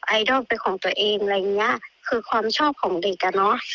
ไอดอลเป็นของตัวเองอะไรอย่างเงี้ยคือความชอบของเด็กอ่ะเนอะ